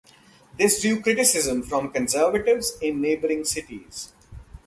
This drew criticism from conservatives in neighboring cities.